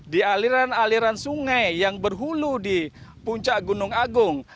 di aliran aliran sungai yang berhulu di puncak gunung agung